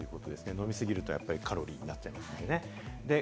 飲み過ぎるとカロリー過多になっちゃいますね。